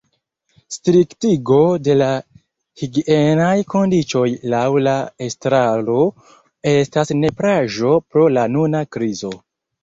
Striktigo de la higienaj kondiĉoj laŭ la estraro estas nepraĵo pro la nuna krizo.